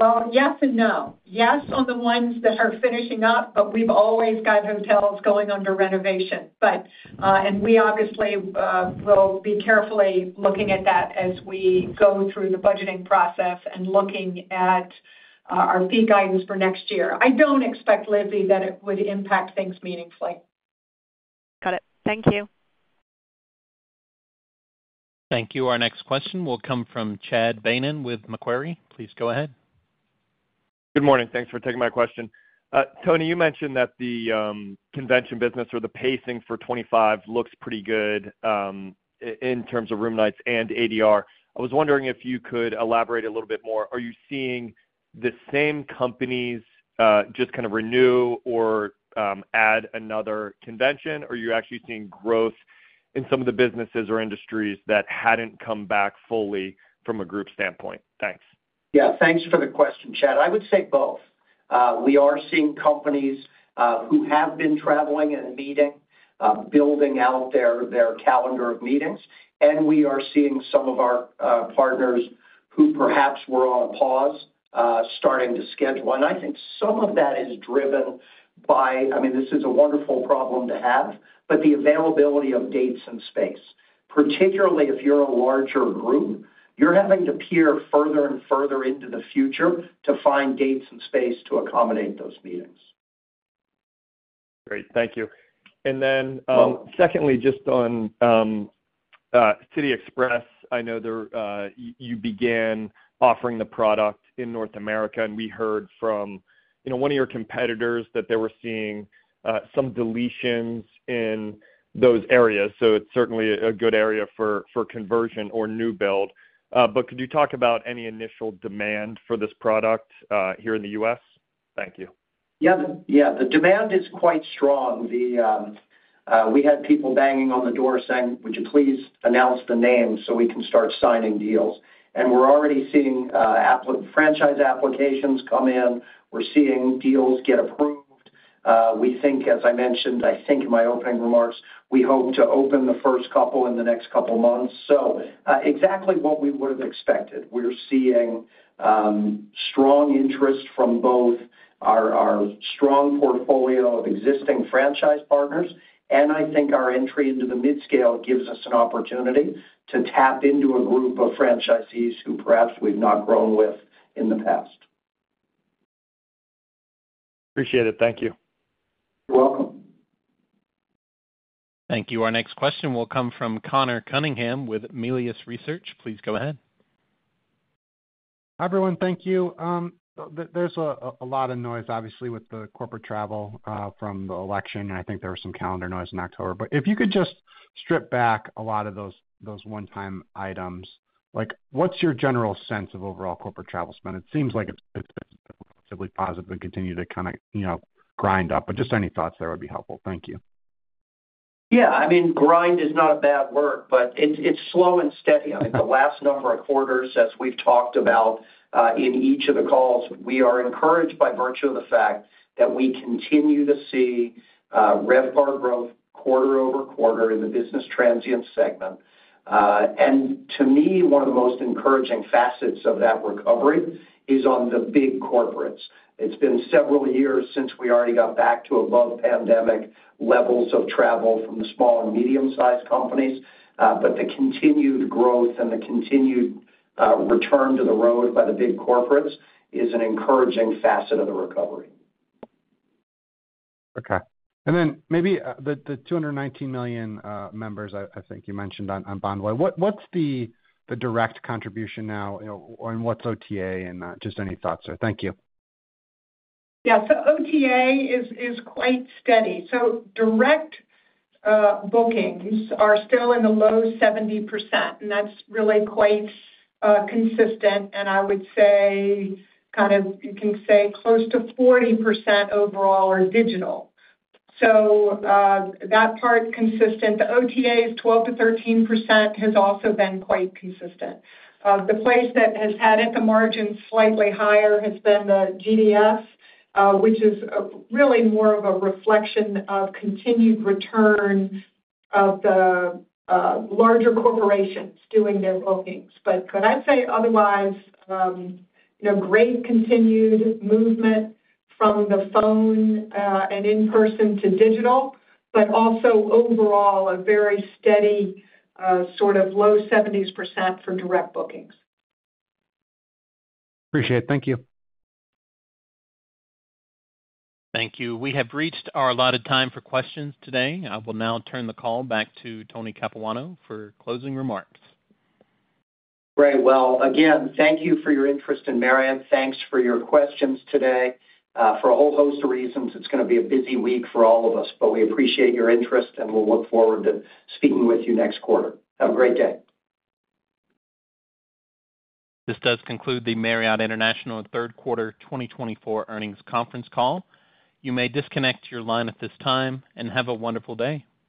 Well, yes and no. Yes on the ones that are finishing up, but we've always got hotels going under renovation. And we obviously will be carefully looking at that as we go through the budgeting process and looking at our fee guidance for next year. I don't expect, Lizzie, that it would impact things meaningfully. Got it. Thank you. Thank you. Our next question will come from Chad Beynon with Macquarie. Please go ahead. Good morning. Thanks for taking my question. Tony, you mentioned that the convention business or the pacing for 2025 looks pretty good in terms of room nights and ADR. I was wondering if you could elaborate a little bit more. Are you seeing the same companies just kind of renew or add another convention, or are you actually seeing growth in some of the businesses or industries that hadn't come back fully from a group standpoint? Thanks. Yeah. Thanks for the question, Chad. I would say both. We are seeing companies who have been traveling and meeting, building out their calendar of meetings. And we are seeing some of our partners who perhaps were on a pause starting to schedule. And I think some of that is driven by, I mean, this is a wonderful problem to have, but the availability of dates and space, particularly if you're a larger group, you're having to peer further and further into the future to find dates and space to accommodate those meetings. Great. Thank you. And then secondly, just on City Express, I know you began offering the product in North America, and we heard from one of your competitors that they were seeing some deletions in those areas. So it's certainly a good area for conversion or new build. But could you talk about any initial demand for this product here in the U.S.? Thank you. Yeah. Yeah. The demand is quite strong. We had people banging on the door saying, "Would you please announce the name so we can start signing deals?" And we're already seeing franchise applications come in. We're seeing deals get approved. We think, as I mentioned, I think in my opening remarks, we hope to open the first couple in the next couple of months. So exactly what we would have expected. We're seeing strong interest from both our strong portfolio of existing franchise partners, and I think our entry into the midscale gives us an opportunity to tap into a group of franchisees who perhaps we've not grown with in the past. Appreciate it. Thank you. You're welcome. Thank you. Our next question will come from Conor Cunningham with Melius Research. Please go ahead. Hi, everyone. Thank you. There's a lot of noise, obviously, with the corporate travel from the election, and I think there was some calendar noise in October. But if you could just strip back a lot of those one-time items, what's your general sense of overall corporate travel spend? It seems like it's been relatively positive and continued to kind of grind up. But just any thoughts there would be helpful. Thank you. Yeah. I mean, grind is not a bad word, but it's slow and steady. I mean, the last number of quarters, as we've talked about in each of the calls, we are encouraged by virtue of the fact that we continue to see RevPAR growth quarter-over-quarter in the business transient segment. And to me, one of the most encouraging facets of that recovery is on the big corporates. It's been several years since we already got back to above-pandemic levels of travel from the small and medium-sized companies. But the continued growth and the continued return to the road by the big corporates is an encouraging facet of the recovery. Okay. And then maybe the 219 million members I think you mentioned on Bonvoy, what's the direct contribution now, and what's OTA, and just any thoughts there? Thank you. Yeah. So OTA is quite steady. So direct bookings are still in the low 70%, and that's really quite consistent. And I would say kind of you can say close to 40% overall are digital. So that part consistent. The OTAs 12%-13% has also been quite consistent. The place that has had it, the margin slightly higher, has been the GDS, which is really more of a reflection of continued return of the larger corporations doing their bookings. But could I say otherwise? Great continued movement from the phone and in-person to digital, but also overall a very steady sort of low 70% for direct bookings. Appreciate it. Thank you. Thank you. We have reached our allotted time for questions today. I will now turn the call back to Tony Capuano for closing remarks. Great. Again, thank you for your interest in Marriott. Thanks for your questions today. For a whole host of reasons, it's going to be a busy week for all of us, but we appreciate your interest, and we'll look forward to speaking with you next quarter. Have a great day. This does conclude the Marriott International Third Quarter 2024 Earnings Conference Call. You may disconnect your line at this time and have a wonderful day.